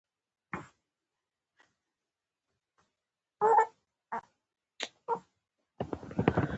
په دې کې مصلحت دا دی.